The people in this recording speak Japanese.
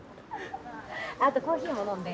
あとコーヒーも飲んで。